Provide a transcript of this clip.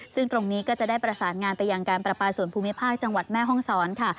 ซึ่งตรงนี้ก็จะได้ประสานงานไปยังการประปาส่วนภูมิภาคจังหวัดแม่ห้องศรค่ะ